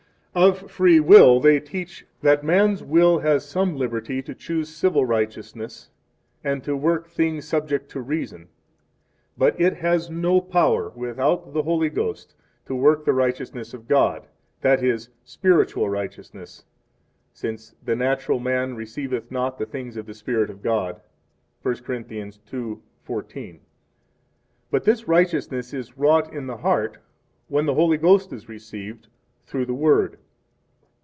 1 Of Free Will they teach that man's will has some liberty to choose civil righteousness, and to work 2 things subject to reason. But it has no power, without the Holy Ghost, to work the righteousness of God, that is, spiritual righteousness; since the natural man 3 receiveth not the things of the Spirit of God, 1 Cor. 2:14; but this righteousness is wrought in the heart when the Holy Ghost is received 4 through the Word.